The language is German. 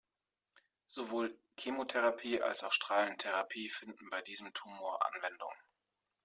Sowohl Chemotherapie als auch Strahlentherapie finden bei diesem Tumor Anwendung.